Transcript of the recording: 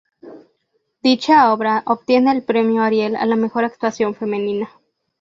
Dicha obra obtiene el premio Ariel a la mejor actuación femenina.